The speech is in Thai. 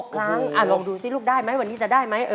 ครั้งลองดูสิลูกได้ไหมวันนี้จะได้ไหม